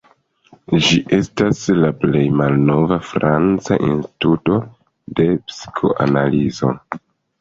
Ĝi estas la plej malnova franca instituto de psikoanalizo.